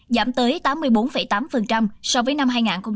giảm tới tám mươi bốn tám so với năm hai nghìn một mươi tám